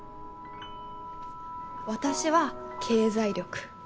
私は「経済力」。